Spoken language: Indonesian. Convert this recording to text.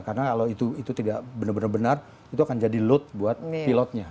karena kalau itu tidak benar benar itu akan jadi load buat pilotnya